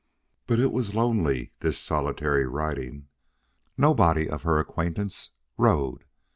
But it was lonely, this solitary riding. Nobody of her acquaintance rode.